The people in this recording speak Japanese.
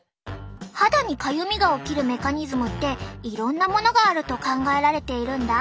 肌にかゆみが起きるメカニズムっていろんなものがあると考えられているんだ。